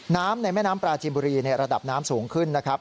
ในแม่น้ำปลาจินบุรีระดับน้ำสูงขึ้นนะครับ